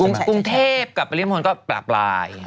กรุงเทพกลับไปเรียนพรรณก็ปล่าปลาย